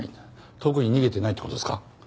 遠くに逃げてないって事ですか？